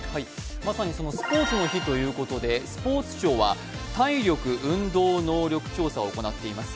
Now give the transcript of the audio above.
まさに、そのスポーツの日ということで、スポーツ庁は体力・運動能力調査を行っています。